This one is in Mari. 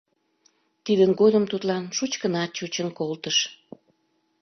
Тидын годым тудлан шучкынат чучын колтыш.